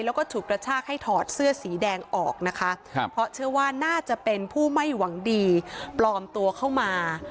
แล้วก็ฉุดกระชากให้ถอดเสื้อสีแดงออกนะคะเพราะเชื่อว่าน่าจะเป็นผู้ไม่หวังดีปลอมตัวเข้ามา